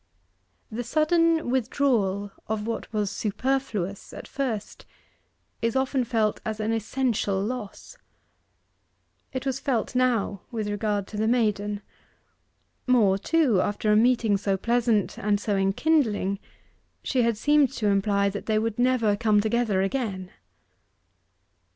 The sudden withdrawal of what was superfluous at first, is often felt as an essential loss. It was felt now with regard to the maiden. More, too, after a meeting so pleasant and so enkindling, she had seemed to imply that they would never come together again.